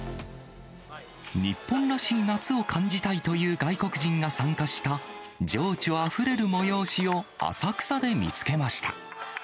日本らしい夏を感じたいという外国人が参加した、情緒あふれる催しを浅草で見つけました。